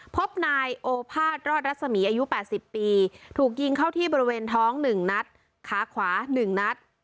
พบนายโอภาษย์รอดรัศมีย์อายุแปดสิบปีถูกยิงเข้าที่บริเวณท้องหนึ่งนัดขาขวาหนึ่งนัด